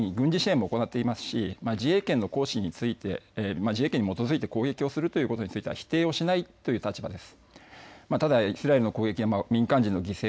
さらにアメリカはイスラエルに軍事支援を行っていますし自衛権の行使について自衛権に基づいて攻撃をすることということについては否定をしないという立場です。